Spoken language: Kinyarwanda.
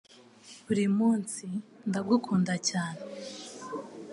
Buri munsi ndagukunda cyane